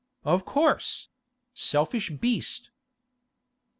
'Of course—selfish beast!